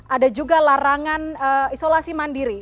ada juga larangan isolasi mandiri